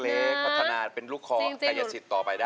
พัฒนาเป็นลูกคอไกยสิทธิ์ต่อไปได้